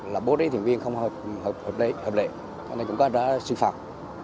là bố trí thuyền viên không hợp lệ cho nên cũng đã xử phạt